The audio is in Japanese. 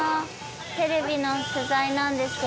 テレビの取材なんですけど。